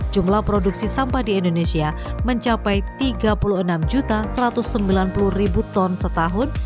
jumlah produksi sampah di indonesia mencapai tiga puluh enam satu ratus sembilan puluh ton setahun